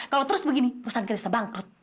kalau terus begini perusahaan kita bisa bangkrut